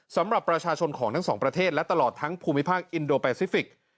สำหรับประชาชนของทั้งสองประเทศและตลอดทั้งภูมิภาคอินโดแปซิฟิกส์